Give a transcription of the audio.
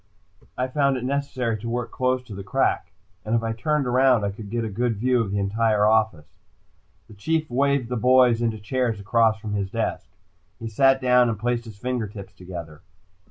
I found it necessary to work close to the crack, and if I turned around, I could get a good view of the entire office. The Chief waved the boys into chairs across from his desk. He sat down and placed his fingertips together.